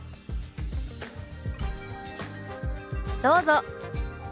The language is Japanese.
どうぞ。